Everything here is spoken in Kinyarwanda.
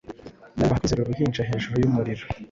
Wubaha kwizera Uruhinja hejuru yumuriro